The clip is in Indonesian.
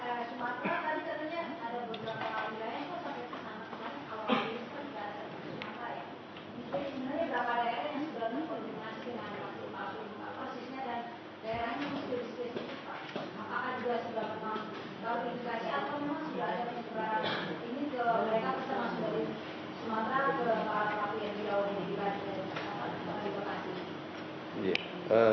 kalau di vaksin atau memang sudah ada penyusuran